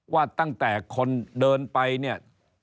ว่าตั้งแต่คนเดินไปเนี่ย